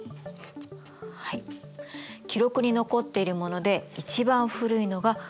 記録に残っているもので一番古いのが８６９年。